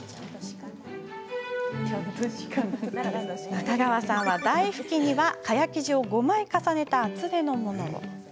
中川さんは、台拭きには蚊帳生地を５枚重ねた厚手のものを。